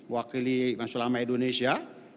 wakil masulama indonesia